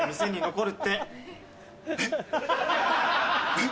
えっ？